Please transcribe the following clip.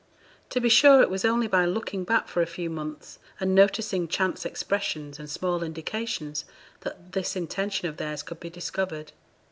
To be sure, it was only by looking back for a few months, and noticing chance expressions and small indications, that this intention of theirs could be discovered.